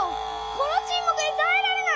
このちんもくにたえられない！